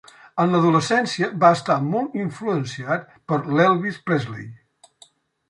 En l'adolescència va estar molt influenciat per l'Elvis Presley.